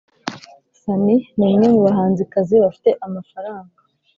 Sunny numwe mubahanzi kazi bafite amafaranga